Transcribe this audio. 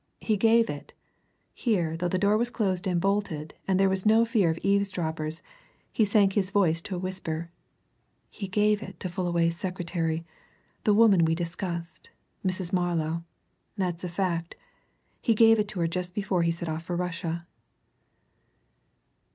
He gave it" here, though the door was closed and bolted, and there was no fear of eavesdroppers, he sank his voice to a whisper "he gave it to Fullaway's secretary, the woman we discussed, Mrs. Marlow. That's a fact. He gave it to her just before he set off for Russia."